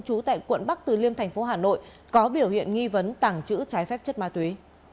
trú tại quận bắc từ liêm thành phố hà nội có biểu hiện nghi vấn tàng trữ trái phép chất ma túy